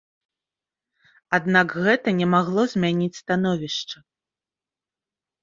Аднак гэта не магло змяніць становішча.